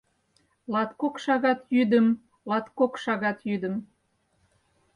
Латкок шагат йӱдым, латкок шагат йӱдым